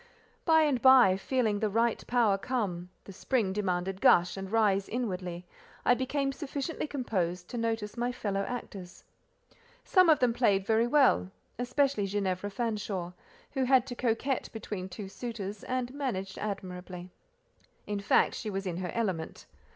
By and by, feeling the right power come—the spring demanded gush and rise inwardly—I became sufficiently composed to notice my fellow actors. Some of them played very well; especially Ginevra Fanshawe, who had to coquette between two suitors, and managed admirably: in fact she was in her element.